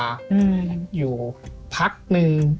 อยู่ตรงสาราอยู่พักหนึ่ง